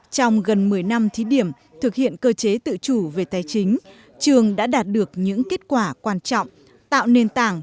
trong gần một mươi năm thí điểm thực hiện cơ chế tự chủ về tài chính trường đã đạt được những kết quả quan trọng